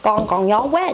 con còn nhỏ quá